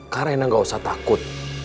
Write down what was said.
kak reina gak usah takut